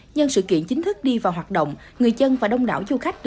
nhân sự kiện chính thức đi vào hoạt động người dân và đông đảo du khách